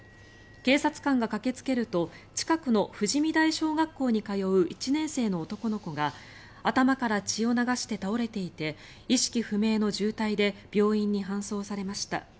警察官が駆けつけると近くの富士見台小学校に通う１年生の男の子が頭から血を流して倒れていて意識不明の重体で病院に搬送されました。